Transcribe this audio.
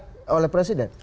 dilihat oleh presiden